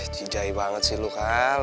cidai banget sih lo kal